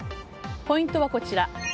ポイントはこちら。